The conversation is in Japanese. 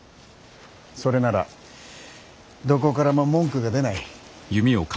それならどこからも文句が出ない。